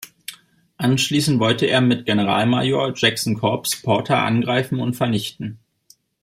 Anschließend wollte er mit Generalmajor Jacksons Korps Porter angreifen und vernichten.